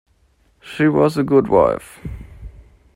She was a good wife.